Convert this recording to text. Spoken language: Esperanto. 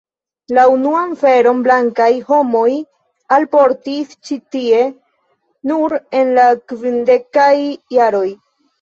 La unuan feron blankaj homoj alportis ĉi tien nur en la kvindekaj jaroj.